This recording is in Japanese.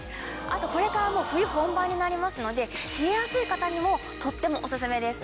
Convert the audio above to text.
あとこれから冬本番になりますので冷えやすい方にもとってもおすすめです。